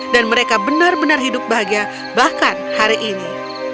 mereka benar benar hidup bahagia bahkan hari ini